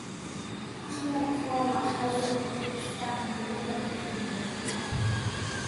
China ikiwa na wakazi wengi sana kuliko nyingine Duniani